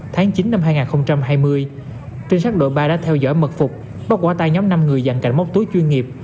tháng chín năm hai nghìn hai mươi trinh sát đội ba đã theo dõi mật phục bắt quả tay nhóm năm người giàn cảnh móc túi chuyên nghiệp